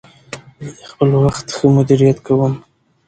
زه د خپل وخت ښه مدیریت کوم.